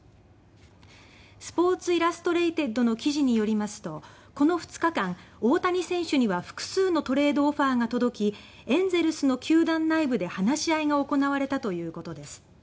スポーツ・イラストレイテッドの記事によりますとこの２日間大谷選手には複数のトレードオファーが届きエンゼルスの球団内部で話し合いが行われたということです。